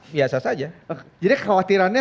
biasa saja jadi kekhawatirannya